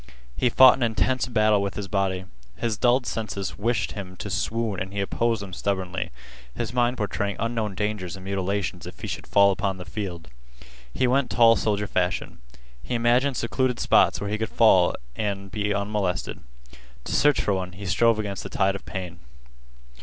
He fought an intense battle with his body. His dulled senses wished him to swoon and he opposed them stubbornly, his mind portraying unknown dangers and mutilations if he should fall upon the field. He went tall soldier fashion. He imagined secluded spots where he could fall and be unmolested. To search for one he strove against the tide of pain.